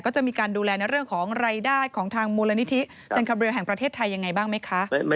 ก็จะมีการดูแลในเรื่องของรายได้ของทางมูลนิธิเซ็นคับเรือแห่งประเทศไทยยังไงบ้างไหมคะ